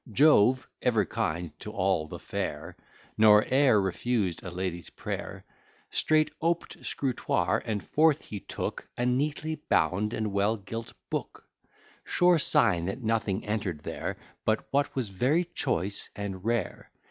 Jove, ever kind to all the fair, Nor e'er refused a lady's prayer, Straight oped 'scrutoire, and forth he took A neatly bound and well gilt book; Sure sign that nothing enter'd there, But what was very choice and rare.